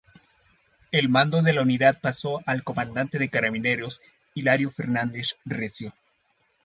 El mando de la unidad pasó al comandante de carabineros Hilario Fernández Recio.